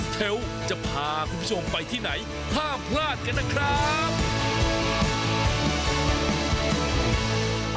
เชลล์จะพาคุณผู้ชมไปที่ไหนห้ามพลาดกันนะครับ